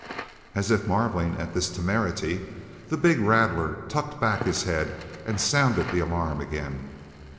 As if marvelling at this temerity, the big rattler tucked back his head and sounded the alarm again.